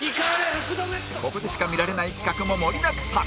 ここでしか見られない企画も盛りだくさん